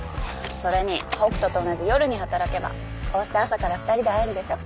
それに北斗と同じ夜に働けばこうして朝から２人で会えるでしょ。